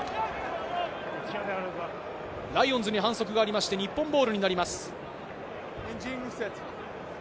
ライオンズに反則がありまして日本ボールになります。